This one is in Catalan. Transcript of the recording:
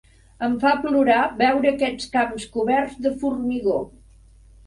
Em fa plorar veure aquests camps coberts de formigó.